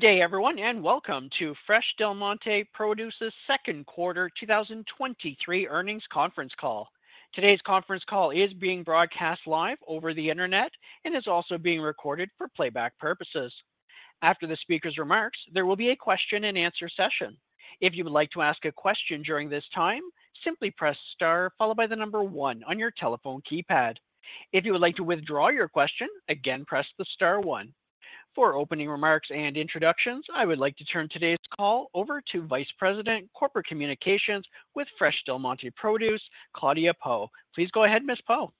Good day, everyone, welcome to Fresh Del Monte Produce's Q2 2023 earnings conference call. Today's conference call is being broadcast live over the Internet and is also being recorded for playback purposes. After the speaker's remarks, there will be a question and answer session. If you would like to ask a question during this time, simply press star followed by the number 1 on your telephone keypad. If you would like to withdraw your question, again, press the star 1. For opening remarks and introductions, I would like to turn today's call over to Vice President, Corporate Communications with Fresh Del Monte Produce, Claudia Pou. Please go ahead, Ms. Pou.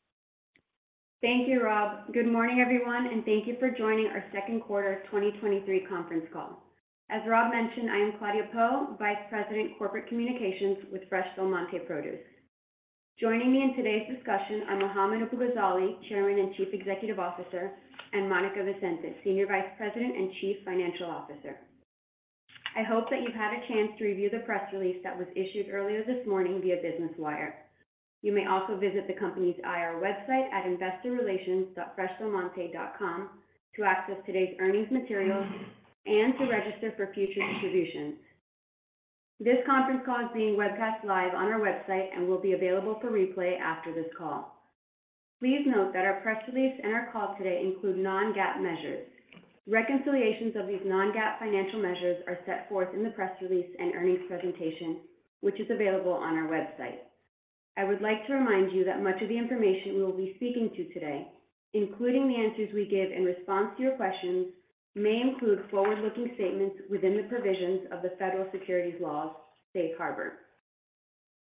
Thank you, Rob. Good morning, everyone, Thank you for joining our Q2 2023 conference call. As Rob mentioned, I am Claudia Pou, Vice President, Corporate Communications with Fresh Del Monte Produce. Joining me in today's discussion are Mohammad Abu-Ghazaleh, Chairman and Chief Executive Officer, and Monica Vicente, Senior Vice President and Chief Financial Officer. I hope that you've had a chance to review the press release that was issued earlier this morning via Business Wire. You may also visit the company's IR website at investorrelations.freshdelmonte.com to access today's earnings materials and to register for future distributions. This conference call is being webcast live on our website and will be available for replay after this call. Please note that our press release and our call today include non-GAAP measures. Reconciliations of these non-GAAP financial measures are set forth in the press release and earnings presentation, which is available on our website. I would like to remind you that much of the information we will be speaking to today, including the answers we give in response to your questions, may include forward-looking statements within the provisions of the Federal Securities Laws Safe Harbor.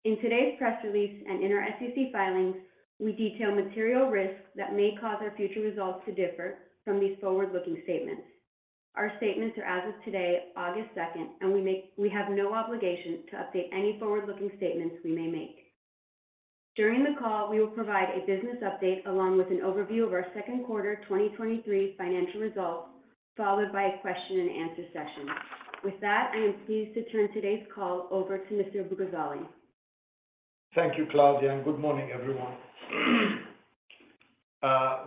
In today's press release and in our SEC filings, we detail material risks that may cause our future results to differ from these forward-looking statements. Our statements are as of today, August 2, and we have no obligation to update any forward-looking statements we may make. During the call, we will provide a business update along with an overview of our Q2 2023 financial results, followed by a question and answer session. With that, I am pleased to turn today's call over to Mr. Abu-Ghazaleh. Thank you, Claudia, and good morning, everyone.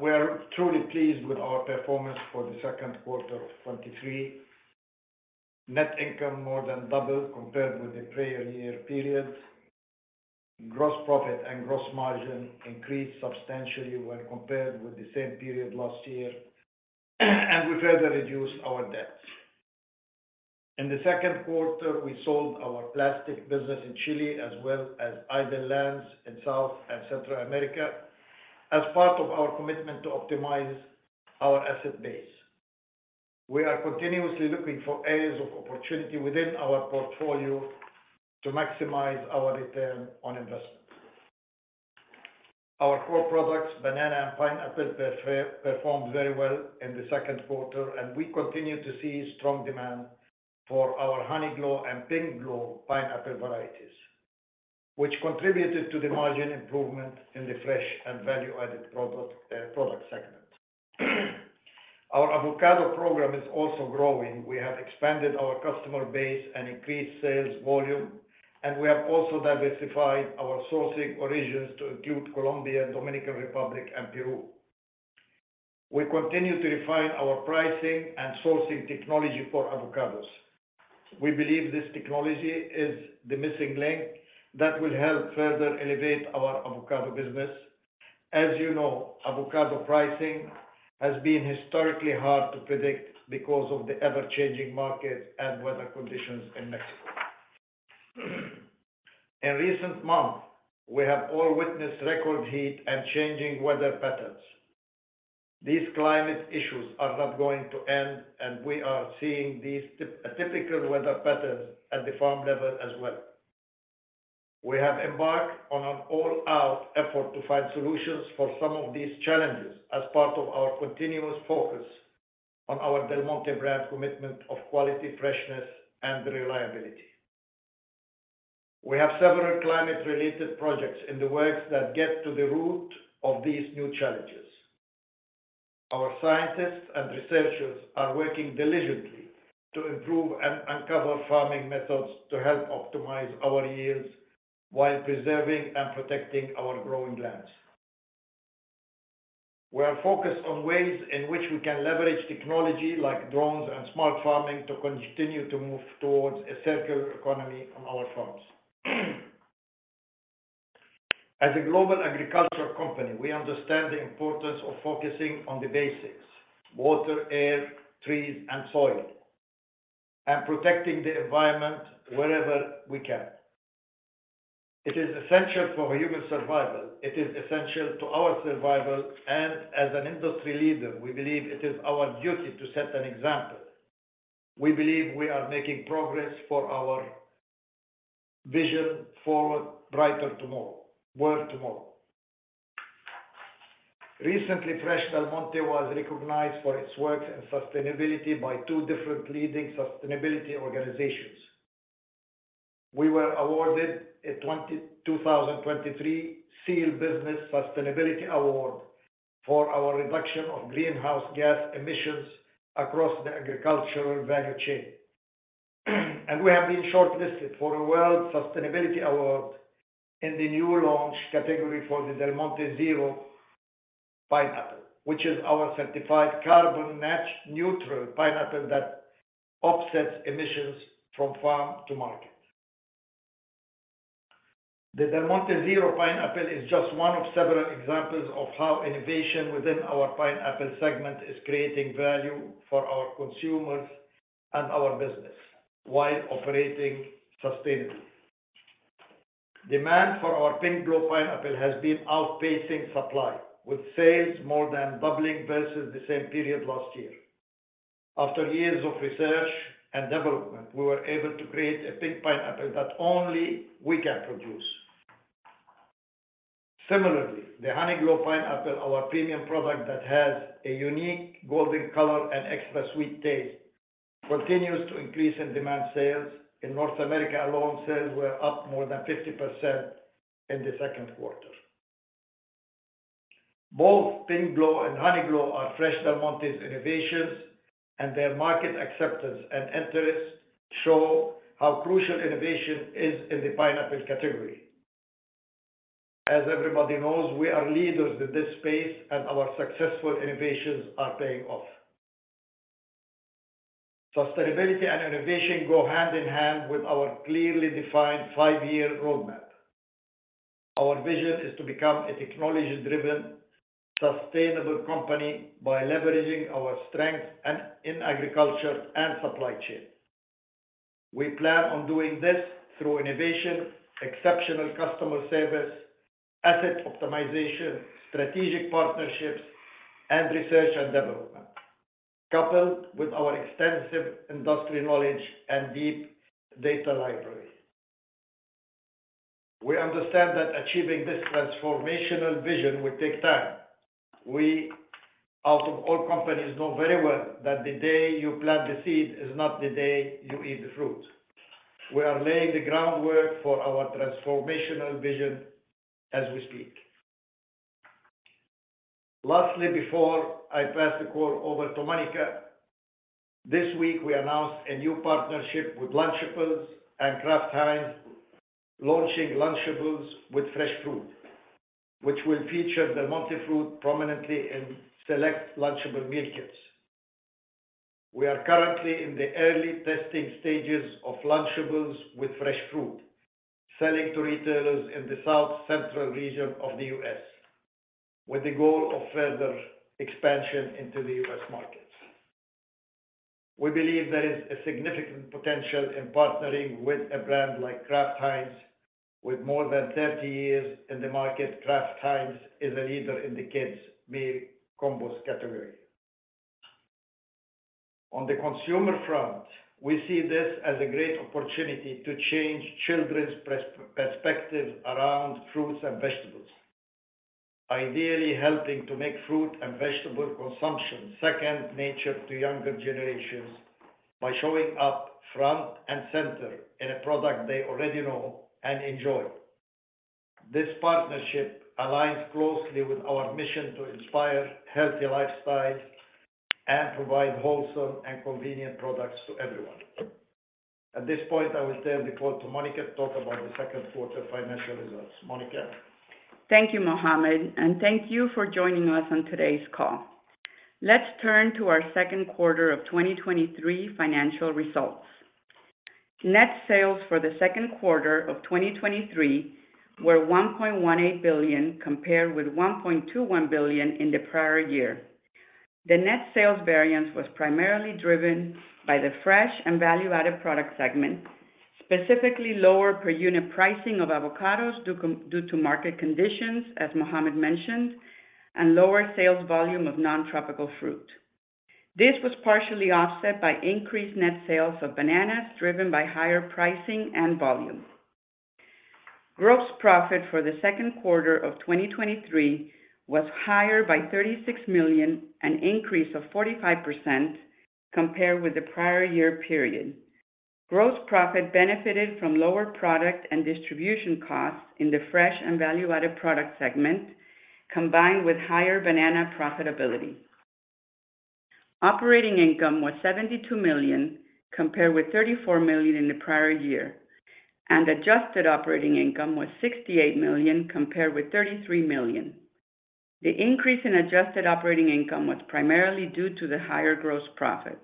We are truly pleased with our performance for the Q2 of 2023. Net income more than doubled compared with the prior year period. Gross profit and gross margin increased substantially when compared with the same period last year, and we further reduced our debt. In the Q2, we sold our plastic business in Chile, as well as idle lands in South and Central America, as part of our commitment to optimize our asset base. We are continuously looking for areas of opportunity within our portfolio to maximize our return on investment. Our core products, banana and pineapple, performed very well in the Q2, and we continue to see strong demand for our Honeyglow and Pinkglow pineapple varieties, which contributed to the margin improvement in the fresh and value-added product segment. Our avocado program is also growing. We have expanded our customer base and increased sales volume. We have also diversified our sourcing origins to include Colombia, Dominican Republic, and Peru. We continue to refine our pricing and sourcing technology for avocados. We believe this technology is the missing link that will help further elevate our avocado business. As you know, avocado pricing has been historically hard to predict because of the ever-changing market and weather conditions in Mexico. In recent months, we have all witnessed record heat and changing weather patterns. These climate issues are not going to end. We are seeing these atypical weather patterns at the farm level as well. We have embarked on an all-out effort to find solutions for some of these challenges as part of our continuous focus on our Del Monte brand commitment of quality, freshness, and reliability. We have several climate-related projects in the works that get to the root of these new challenges. Our scientists and researchers are working diligently to improve and uncover farming methods to help optimize our yields while preserving and protecting our growing lands. We are focused on ways in which we can leverage technology like drones and smart farming to continue to move towards a circular economy on our farms. As a global agricultural company, we understand the importance of focusing on the basics: water, air, trees, and soil, and protecting the environment wherever we can. It is essential for human survival, it is essential to our survival, and as an industry leader, we believe it is our duty to set an example. We believe we are making progress for our vision forward, brighter tomorrow, world tomorrow. Recently, Fresh Del Monte was recognized for its work in sustainability by two different leading sustainability organizations. We were awarded a 2023 SEAL Business Sustainability Award for our reduction of greenhouse gas emissions across the agricultural value chain. We have been shortlisted for a World Sustainability Award in the new launch category for the Del Monte Zero pineapple, which is our certified carbon neutral pineapple that offsets emissions from farm to market. The Del Monte Zero pineapple is just one of several examples of how innovation within our pineapple segment is creating value for our consumers and our business while operating sustainably. Demand for our Pinkglow Pineapple has been outpacing supply, with sales more than doubling versus the same period last year. After years of research and development, we were able to create a pink pineapple that only we can produce. Similarly, the Honeyglow Pineapple, our premium product that has a unique golden color and extra sweet taste, continues to increase in demand. Sales in North America alone, sales were up more than 50% in the Q2. Both Pinkglow and Honeyglow are Fresh Del Monte's innovations, and their market acceptance and interest show how crucial innovation is in the pineapple category. As everybody knows, we are leaders in this space, and our successful innovations are paying off. Sustainability and innovation go hand in hand with our clearly defined five-year roadmap. Our vision is to become a technology-driven, sustainable company by leveraging our strengths and in agriculture and supply chain. We plan on doing this through innovation, exceptional customer service, asset optimization, strategic partnerships, and research and development, coupled with our extensive industry knowledge and deep data library. We understand that achieving this transformational vision will take time. We, out of all companies, know very well that the day you plant the seed is not the day you eat the fruit. We are laying the groundwork for our transformational vision as we speak. Lastly, before I pass the call over to Monica, this week, we announced a new partnership with Lunchables and Kraft Heinz, launching Lunchables with Fresh Fruit, which will feature Del Monte fruit prominently in select Lunchables meal kits. We are currently in the early testing stages of Lunchables with Fresh Fruit, selling to retailers in the South Central region of the US, with the goal of further expansion into the US markets. We believe there is a significant potential in partnering with a brand like Kraft Heinz. With more than 30 years in the market, Kraft Heinz is a leader in the kids' meal combos category. On the consumer front, we see this as a great opportunity to change children's perspective around fruits and vegetables. Ideally, helping to make fruit and vegetable consumption second nature to younger generations by showing up front and center in a product they already know and enjoy. This partnership aligns closely with our mission to inspire healthy lifestyles and provide wholesome and convenient products to everyone. At this point, I will turn the call to Monica to talk about the Q2 financial results. Monica? Thank you, Mohammad, and thank you for joining us on today's call. Let's turn to our Q2 of 2023 financial results. Net sales for the Q2 of 2023 were $1.18 billion, compared with $1.21 billion in the prior year. The net sales variance was primarily driven by the fresh and value-added product segment, specifically lower per-unit pricing of avocados due to market conditions, as Mohammad mentioned, and lower sales volume of non-tropical fruit. This was partially offset by increased net sales of bananas, driven by higher pricing and volume. Gross profit for the Q2 of 2023 was higher by $36 million, an increase of 45% compared with the prior year period. Gross profit benefited from lower product and distribution costs in the fresh and value-added product segment, combined with higher banana profitability. Operating income was $72 million, compared with $34 million in the prior year. Adjusted operating income was $68 million, compared with $33 million. The increase in adjusted operating income was primarily due to the higher gross profit.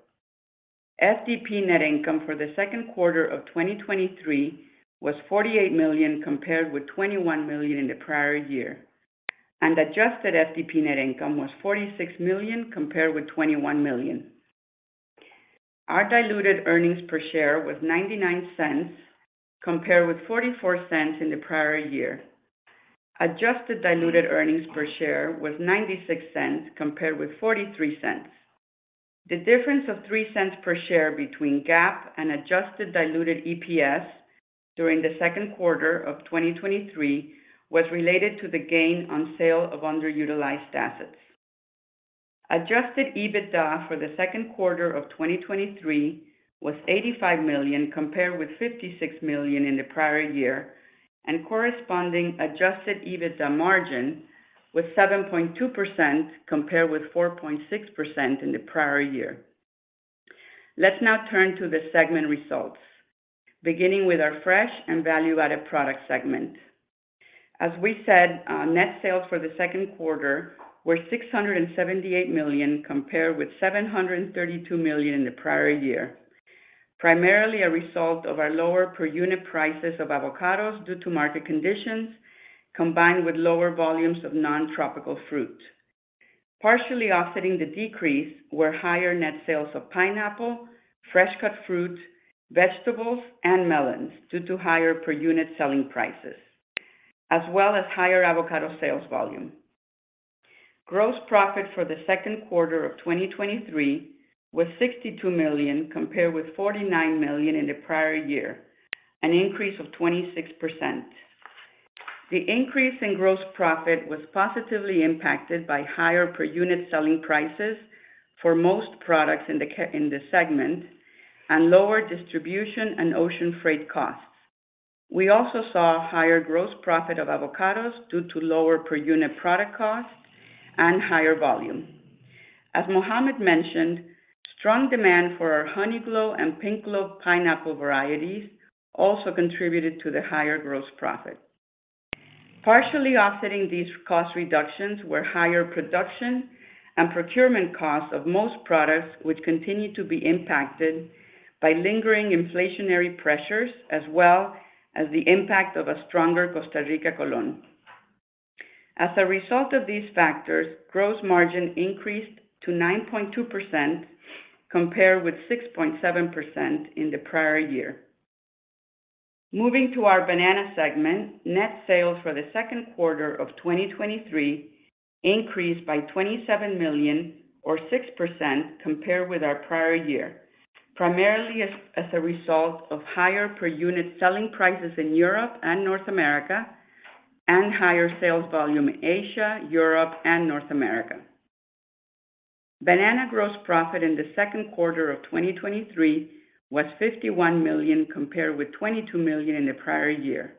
FDP net income for the Q2 of 2023 was $48 million, compared with $21 million in the prior year, and adjusted FDP net income was $46 million, compared with $21 million. Our diluted earnings per share was $0.99, compared with $0.44 in the prior year. Adjusted diluted earnings per share was $0.96, compared with $0.43. The difference of $0.03 per share between GAAP and adjusted diluted EPS during the Q2 of 2023 was related to the gain on sale of underutilized assets. Adjusted EBITDA for the Q2 of 2023 was $85 million, compared with $56 million in the prior year. Corresponding Adjusted EBITDA margin was 7.2%, compared with 4.6% in the prior year. Let's now turn to the segment results, beginning with our fresh and value-added product segment. As we said, net sales for the Q2 were $678 million, compared with $732 million in the prior year, primarily a result of our lower per unit prices of avocados due to market conditions, combined with lower volumes of non-tropical fruit. Partially offsetting the decrease were higher net sales of pineapple, fresh cut fruit, vegetables, and melons due to higher per unit selling prices, as well as higher avocado sales volume. Gross profit for the Q2 of 2023 was $62 million, compared with $49 million in the prior year, an increase of 26%. The increase in gross profit was positively impacted by higher per unit selling prices for most products in the segment, and lower distribution and ocean freight costs. We also saw higher gross profit of avocados due to lower per unit product costs and higher volume. As Mohammad mentioned, strong demand for our Honeyglow and Pinkglow pineapple varieties also contributed to the higher gross profit. Partially offsetting these cost reductions were higher production and procurement costs of most products, which continued to be impacted by lingering inflationary pressures, as well as the impact of a stronger Costa Rican colón. As a result of these factors, gross margin increased to 9.2%, compared with 6.7% in the prior year. Moving to our banana segment, net sales for Q2 2023 increased by $27 million, or 6%, compared with our prior year, primarily as a result of higher per unit selling prices in Europe and North America, and higher sales volume in Asia, Europe, and North America. Banana gross profit in Q2 2023 was $51 million, compared with $22 million in the prior year,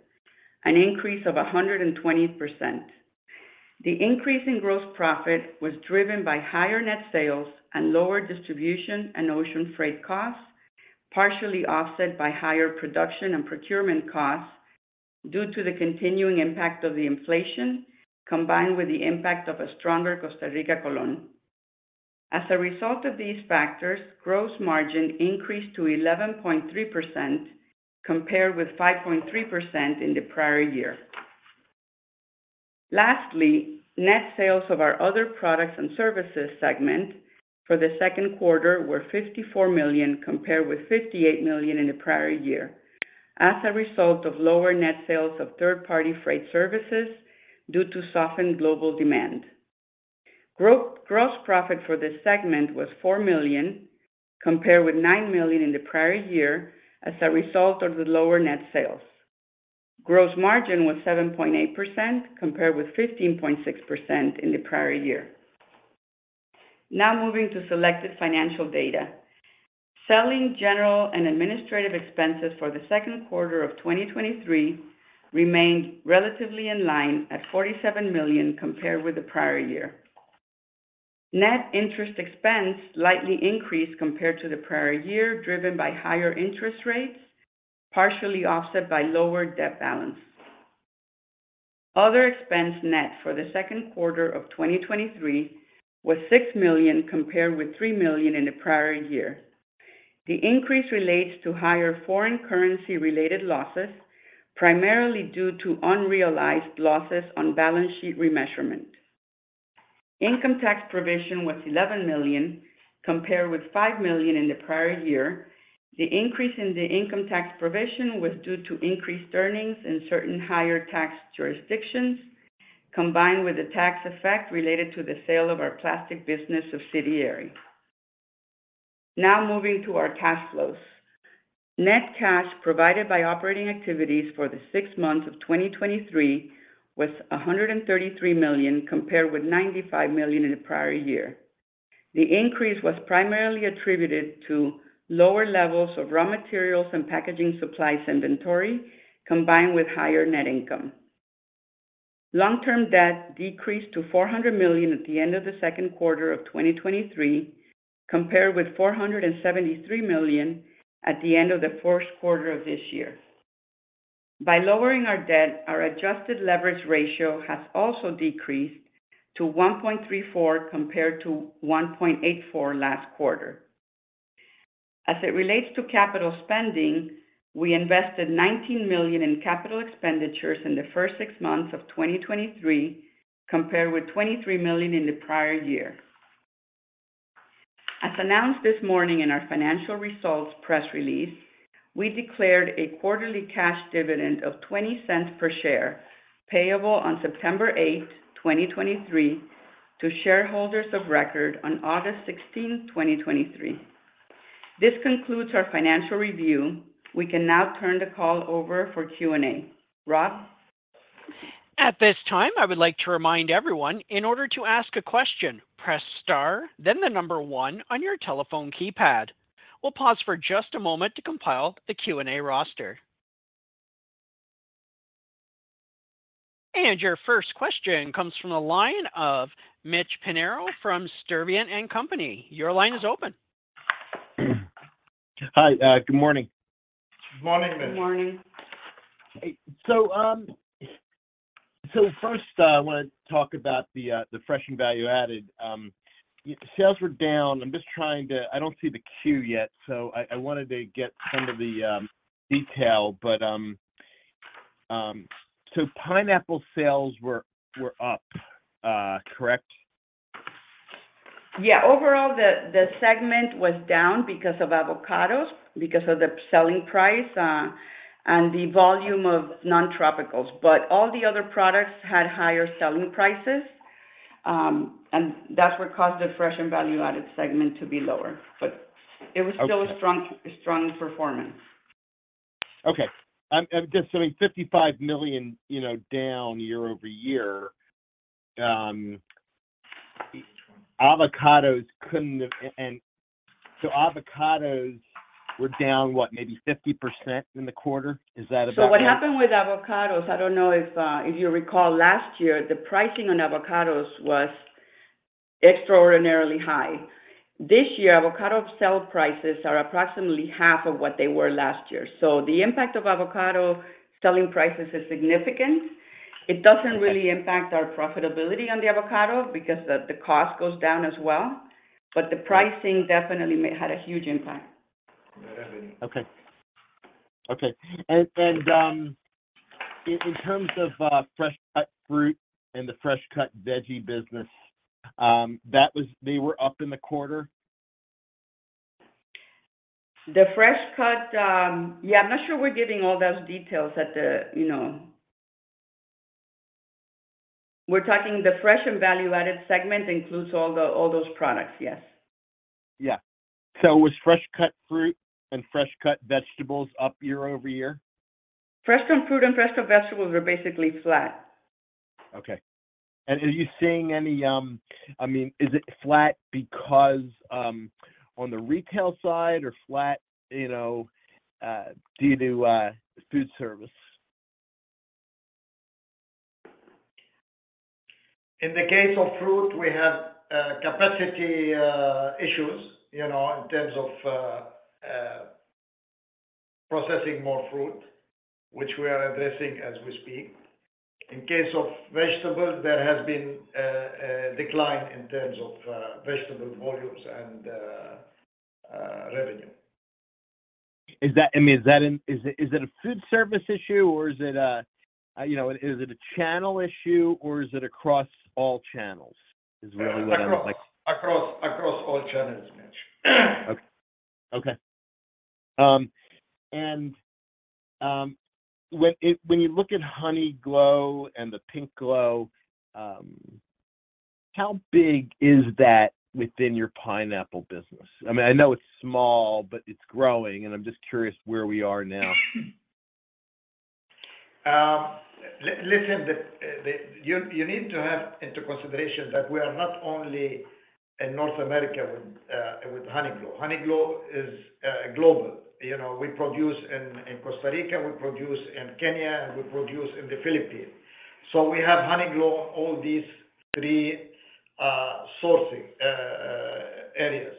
an increase of 120%. The increase in gross profit was driven by higher net sales and lower distribution and ocean freight costs, partially offset by higher production and procurement costs due to the continuing impact of the inflation, combined with the impact of a stronger Costa Rican colón. As a result of these factors, gross margin increased to 11.3%, compared with 5.3% in the prior year. Lastly, net sales of our other products and services segment for the Q2 were $54 million, compared with $58 million in the prior year, as a result of lower net sales of third-party freight services due to softened global demand. gross profit for this segment was $4 million, compared with $9 million in the prior year, as a result of the lower net sales. Gross margin was 7.8%, compared with 15.6% in the prior year. Now moving to selected financial data. Selling, general, and administrative expenses for the Q2 of 2023 remained relatively in line at $47 million, compared with the prior year. Net interest expense slightly increased compared to the prior year, driven by higher interest rates, partially offset by lower debt balance. Other expense net for the Q2 of 2023 was $6 million, compared with $3 million in the prior year. The increase relates to higher foreign currency-related losses, primarily due to unrealized losses on balance sheet remeasurement. Income tax provision was $11 million, compared with $5 million in the prior year. The increase in the income tax provision was due to increased earnings in certain higher tax jurisdictions, combined with the tax effect related to the sale of our plastic business subsidiary. Moving to our cash flows. Net cash provided by operating activities for the six months of 2023 was $133 million, compared with $95 million in the prior year. The increase was primarily attributed to lower levels of raw materials and packaging supplies inventory, combined with higher net income. Long-term debt decreased to $400 million at the end of the Q2 of 2023, compared with $473 million at the end of the Q1 of this year. By lowering our debt, our adjusted leverage ratio has also decreased to 1.34, compared to 1.84 last quarter. As it relates to capital spending, we invested $19 million in capital expenditures in the first six months of 2023, compared with $23 million in the prior year. As announced this morning in our financial results press release, we declared a quarterly cash dividend of $0.20 per share, payable on September 8, 2023, to shareholders of record on August 16, 2023. This concludes our financial review. We can now turn the call over for Q&A. Rob? At this time, I would like to remind everyone, in order to ask a question, press star, then the number one on your telephone keypad. We'll pause for just a moment to compile the Q&A roster. Your first question comes from the line of Mitch Pinheiro from Stifel, Nicolaus & Company. Your line is open. Hi, good morning. Good morning, Mitch. Good morning. Hey, first, I want to talk about the fresh and value added. Sales were down. I'm just trying to-- I don't see the queue yet, so I, I wanted to get some of the detail. Pineapple sales were up, correct? Yeah. Overall, the, the segment was down because of avocados, because of the selling price, and the volume of non-tropicals. All the other products had higher selling prices, and that's what caused the fresh and value-added segment to be lower. Okay. It was still a strong, a strong performance. Okay, just, I mean, $55 million, you know, down year-over-year. avocados couldn't have... avocados were down, what, maybe 50% in the quarter? Is that about right? What happened with avocados, I don't know if, if you recall last year, the pricing on avocados was extraordinarily high. This year, avocado sell prices are approximately half of what they were last year. The impact of avocado selling prices is significant. Okay. It doesn't really impact our profitability on the avocado because the cost goes down as well, but the pricing definitely had a huge impact. Yeah. Okay. Okay. In, in terms of, fresh-cut fruit and the fresh-cut veggie business, that was-- they were up in the quarter? The fresh cut. Yeah, I'm not sure we're giving all those details at the, you know. We're talking the Fresh and value-added segment includes all the, all those products, yes. Yeah. Was fresh cut fruit and fresh cut vegetables up year-over-year? Fresh cut fruit and fresh cut vegetables were basically flat. Okay. Are you seeing any, I mean, is it flat because, on the retail side or flat, you know, due to food service? In the case of fruit, we have capacity issues, you know, in terms of processing more fruit, which we are addressing as we speak. In case of vegetables, there has been a decline in terms of vegetable volumes and revenue. Is that, I mean, is that in, is it, is it a food service issue or is it a, you know, is it a channel issue or is it across all channels? Is really what I would like- Across all channels, Mitch. Okay. Okay. When you look at Honeyglow and the Pinkglow, how big is that within your pineapple business? I mean, I know it's small, but it's growing, and I'm just curious where we are now. Listen, you need to have into consideration that we are not only in North America with Honeyglow. Honeyglow is global. You know, we produce in Costa Rica, we produce in Kenya, and we produce in the Philippines. We have Honeyglow, all these three sourcing areas,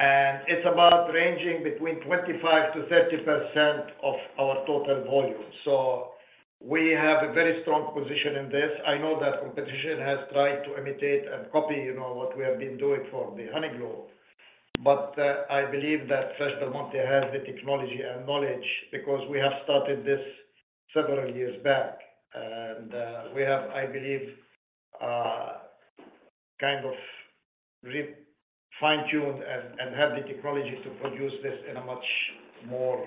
and it's about ranging between 25%-30% of our total volume. We have a very strong position in this. I know that competition has tried to imitate and copy, you know, what we have been doing for the Honeyglow. I believe that Fresh Del Monte has the technology and knowledge because we have started this several years back, and we have, I believe, kind of fine-tuned and, and have the technology to produce this in a much more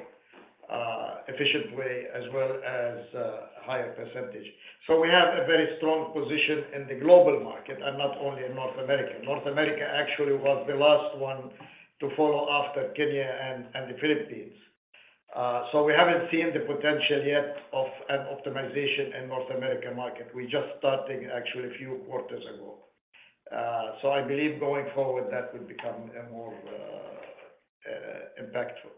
efficient way, as well as higher percentage. We have a very strong position in the global market, and not only in North America. North America actually was the last one to follow after Kenya and the Philippines. We haven't seen the potential yet of an optimization in North American market. We just starting actually a few quarters ago. I believe going forward, that will become more impactful.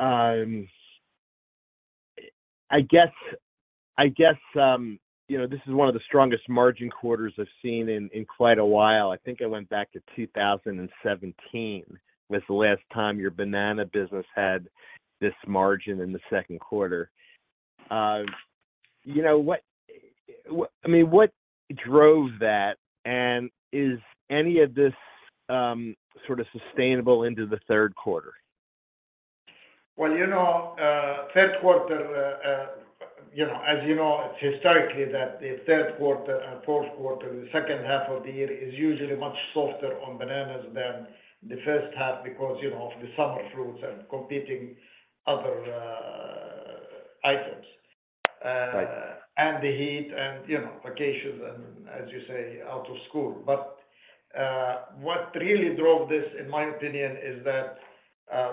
Okay. Then, on the banana side, I guess, I guess, you know, this is one of the strongest margin quarters I've seen in, in quite a while. I think I went back to 2017, was the last time your banana business had this margin in the Q2. You know, I mean, what drove that, and is any of this, sort of sustainable into the Q3? Well, you know, Q3, you know, as you know, historically that the Q3 and Q4, the second half of the year, is usually much softer on bananas than the first half because, you know, of the summer fruits and competing other items. Right. The heat and, you know, vacations and, as you say, out of school. What really drove this, in my opinion, is that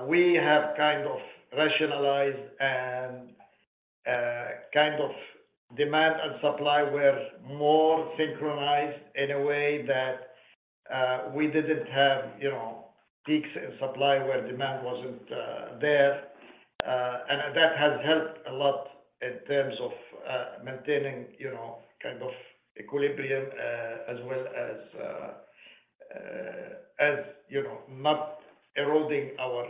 we have kind of rationalized and kind of demand and supply were more synchronized in a way that we didn't have, you know, peaks in supply where demand wasn't there. That has helped a lot in terms of maintaining, you know, kind of equilibrium, as well as, as, you know, not eroding our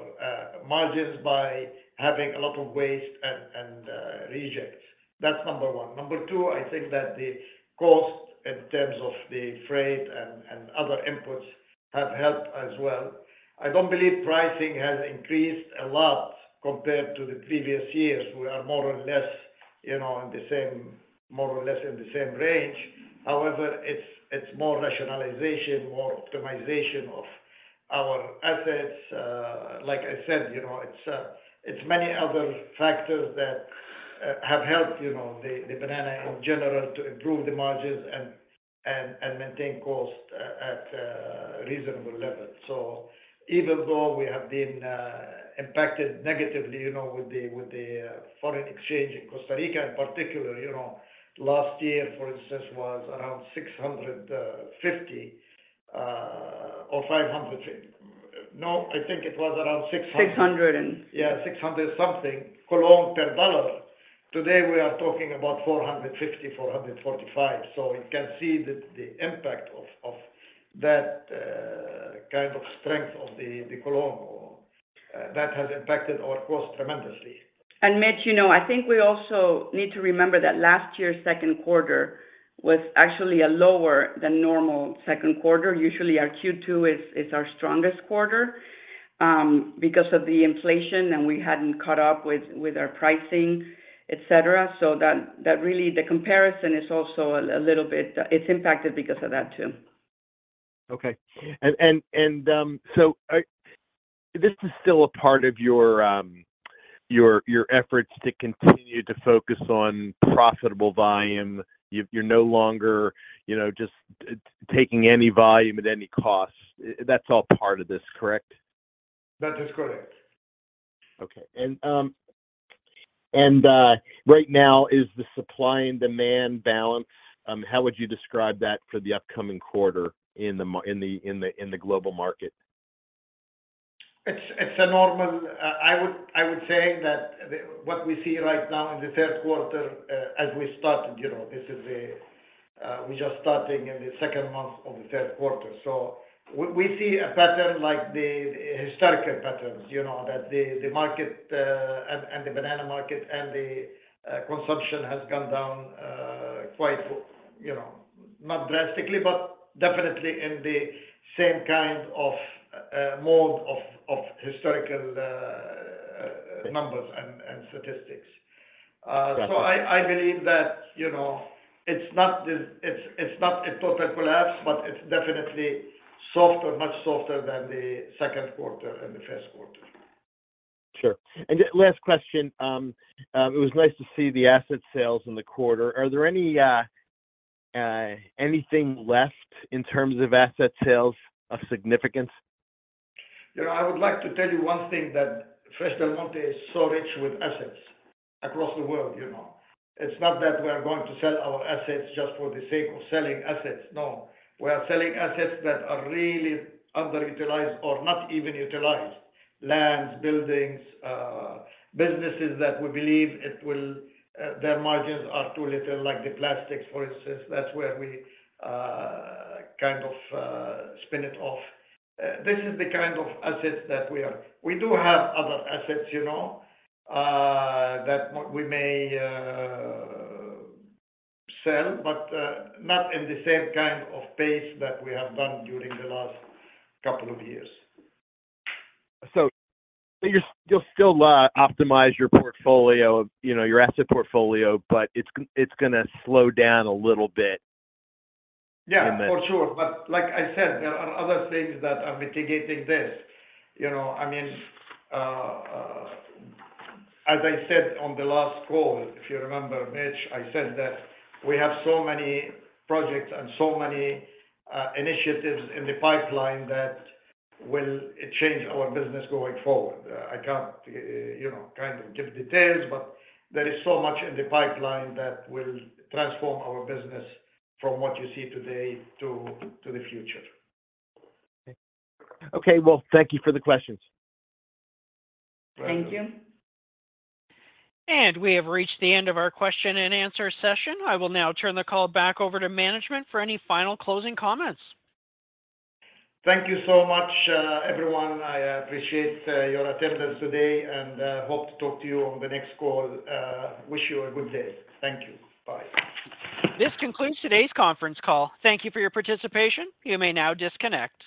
margins by having a lot of waste and, and rejects. That's number one. Number two, I think that the cost in terms of the freight and, and other inputs have helped as well. I don't believe pricing has increased a lot compared to the previous years. We are more or less, you know, in the same, more or less in the same range. However, it's, it's more rationalization, more optimization of our assets. Like I said, you know, it's, it's many other factors that have helped, you know, the, the banana in general to improve the margins and, and, and maintain cost at, at a reasonable level. So even though we have been impacted negatively, you know, with the, with the foreign exchange in Costa Rica in particular, you know, last year, for instance, was around 650, or 500... No, I think it was around 600- Six hundred and- Yeah, 600-something Colón per dollar. Today, we are talking about 450, 445. You can see the impact of that kind of strength of the Colón that has impacted our cost tremendously. Mitch, you know, I think we also need to remember that last year's Q2 was actually a lower than normal Q2. Usually, our Q2 is our strongest quarter, because of the inflation, and we hadn't caught up with our pricing, et cetera. That really, the comparison is also a little bit, it's impacted because of that, too. Okay. This is still a part of your, your efforts to continue to focus on profitable volume. You, you're no longer, you know, just taking any volume at any cost. That's all part of this, correct? That is correct. Okay. Right now, is the supply and demand balanced? How would you describe that for the upcoming quarter in the global market? It's, it's a normal. I would, I would say that the, what we see right now in the Q3, as we started, you know, this is a, we're just starting in the second month of the Q3. We, we see a pattern like the historical patterns, you know, that the, the market, and, and the banana market, and the consumption has gone down, quite, you know, not drastically, but definitely in the same kind of mode of historical numbers and statistics. Got it. I, I believe that, you know, it's not the, it's, it's not a total collapse, but it's definitely softer, much softer than the Q2 and the Q1. Sure. Last question, it was nice to see the asset sales in the quarter. Are there any anything left in terms of asset sales of significance? You know, I would like to tell you one thing, that Fresh Del Monte is so rich with assets across the world, you know? It's not that we are going to sell our assets just for the sake of selling assets, no. We are selling assets that are really underutilized or not even utilized: lands, buildings, businesses that we believe it will, their margins are too little, like the plastics, for instance. That's where we kind of spin it off. This is the kind of assets that we are... We do have other assets, you know, that we may sell, but not in the same kind of pace that we have done during the last couple of years. You'll, you'll still optimize your portfolio, you know, your asset portfolio, but it's gonna slow down a little bit in the. Yeah, for sure. Like I said, there are other things that are mitigating this. You know, I mean, as I said on the last call, if you remember, Mitch, I said that we have so many projects and so many initiatives in the pipeline that will change our business going forward. I can't, you know, kind of give details, but there is so much in the pipeline that will transform our business from what you see today to, to the future. Okay. Well, thank you for the questions. Thank you. We have reached the end of our question and answer session. I will now turn the call back over to management for any final closing comments. Thank you so much, everyone. I appreciate, your attendance today, and, hope to talk to you on the next call. Wish you a good day. Thank you. Bye. This concludes today's conference call. Thank you for your participation. You may now disconnect.